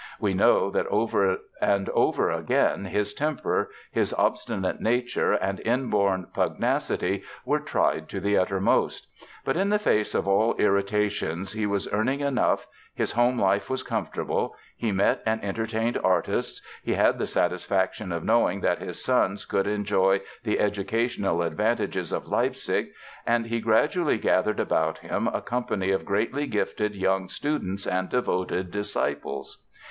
We know that over and again his temper, his obstinate nature and inborn pugnacity were tried to the uttermost. But in the face of all irritations he was earning enough, his home life was comfortable, he met and entertained artists, he had the satisfaction of knowing that his sons could enjoy the educational advantages of Leipzig, and he gradually gathered about him a company of greatly gifted young students and devoted disciples.